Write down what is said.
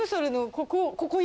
ここ。